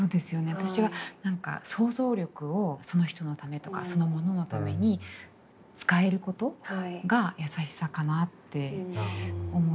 私は何か想像力をその人のためとかそのもののために使えることがやさしさかなって思って。